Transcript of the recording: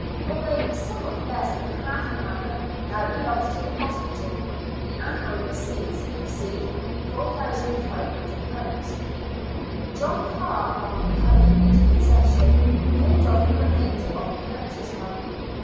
(Although somewhat less than half the manor now belongs to the hospital, the annual receipts exceed £4,500.) John Carr, on coming into possession, paid off the remainder of the purchase money.